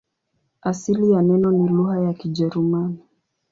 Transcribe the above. Asili ya neno ni lugha ya Kijerumani.